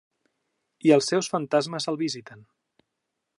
I els seus fantasmes el visiten.